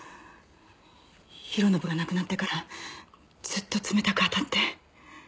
弘信が亡くなってからずっと冷たく当たって。